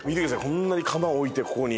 こんなに釜置いてここに。